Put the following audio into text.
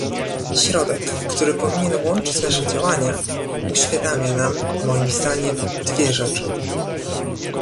Środek, który powinien łączyć nasze działania, uświadamia nam - moim zdaniem - dwie rzeczy